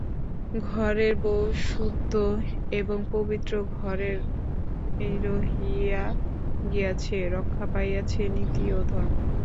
ঘরের বৌ শুদ্ধ ও পবিত্রভাবে ঘরেই রহিয়া গিয়াছে, রক্ষা পাইয়াছে নীতি ও ধর্ম।